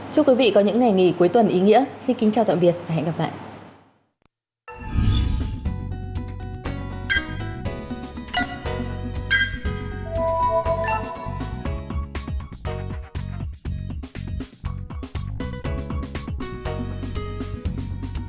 chúc quý vị có những ngày nghỉ cuối tuần ý nghĩa xin kính chào tạm biệt và hẹn gặp lại